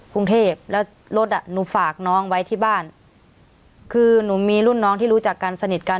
กรุงเทพแล้วรถอ่ะหนูฝากน้องไว้ที่บ้านคือหนูมีรุ่นน้องที่รู้จักกันสนิทกัน